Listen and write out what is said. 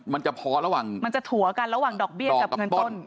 มันจะพอระหว่างมันจะถั่วกันระหว่างดอกเบี้ยกับเงินต้น